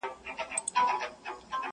• ځوانان له هغه ځایه تېرېږي ډېر,